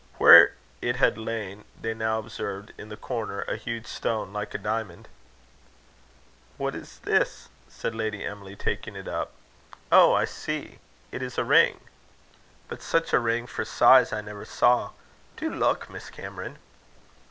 Where it had lain, they now observed, in the corner, a huge stone like a diamond. "What is this?" said Lady Emily, taking it up. "Oh! I see. It is a ring. But such a ring for size, I never saw. Do look, Miss Cameron."